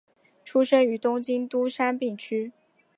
出身于东京都杉并区。